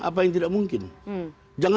apa yang tidak mungkin